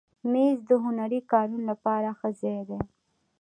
مېز د هنري کارونو لپاره ښه ځای دی.